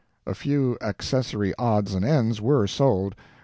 A few accessory odds and ends were sold.